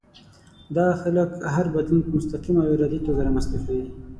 دا خلک هر بدلون په مستقيمه او ارادي توګه رامنځته کوي.